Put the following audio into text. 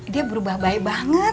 dia berubah baik banget